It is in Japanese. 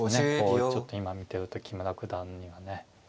こうちょっと今見てると木村九段にはね。